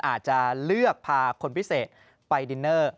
อาจจะเลือกพาคนพิเศษไปดินเนอร์